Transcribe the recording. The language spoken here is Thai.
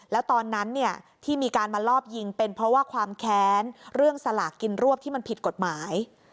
แล้วตอนนั้นที่มีการมาลอบยิงเป็นเพราะว่าความแค้นเรื่องสลากกินรวบที่มันผิดกฎหมาย